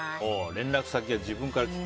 連絡先は自分から聞く？